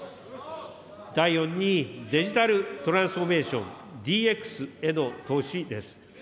第４に、デジタル・トランスフォーメーション・ＤＸへの投資です。